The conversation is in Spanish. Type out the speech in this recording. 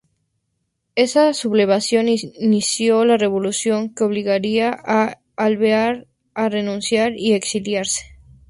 Esa sublevación inició la revolución que obligaría a Alvear a renunciar y exiliarse.